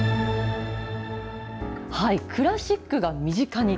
クラシックが身近に。